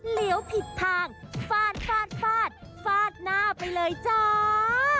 เหลวผิดทางฟาดหน้าไปเลยจ้า